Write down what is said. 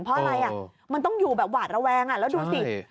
เพราะอะไรมันต้องอยู่แบบหวาดระแวงแล้วดูสิ